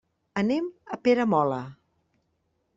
Anem a Peramola.